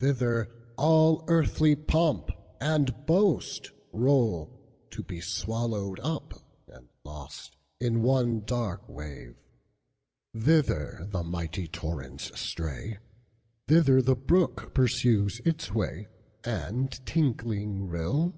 Thither all earthly pomp and boastRoll, to be swallowed up and lostIn one dark wave. Thither the mighty torrents stray, Thither the brook pursues its way, And tinkling rill.